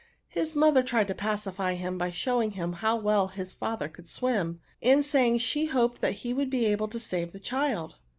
His mother tried to pacify him, by showing him how well his fitther could swim, and saying she hoped he would be able to save the child.